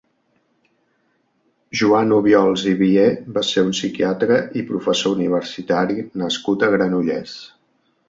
Joan Obiols i Vié va ser un psiquiatre i professor universitari nascut a Granollers.